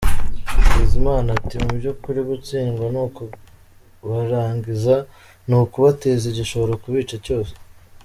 Bizimana ati “Mu by’ukuri gutsindwa ni ukubarangiza, ni ukubateza igishobora kubica cyose.